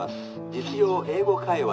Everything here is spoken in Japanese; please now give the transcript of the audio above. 「実用英語会話」。